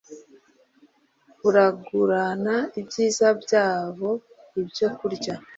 baragurana ibyiza byabo ibyo kurya